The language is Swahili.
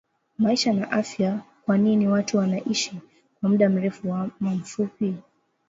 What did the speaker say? MAISHA NA AFYA Kwanini watu wanaishi kwa muda mrefu ama mfupi?